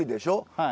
はい。